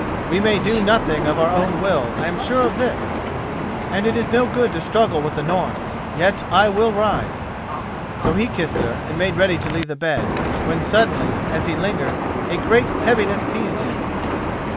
We may do nothing of our own will, I am sure of this, and it is no good to struggle with the Norns. Yet I will rise." So he kissed her, and made ready to leave the bed, when suddenly, as he lingered, a great heaviness seized him.